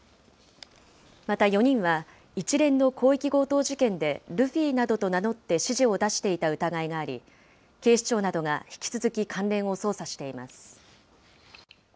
また４人は、一連の広域強盗事件でルフィなどと名乗って指示を出していた疑いがあり、警視庁などが引き続き関連を捜査しています。